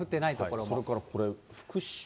それからこれ、福島。